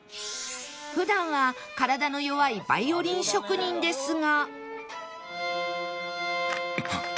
普段は体の弱いバイオリン職人ですが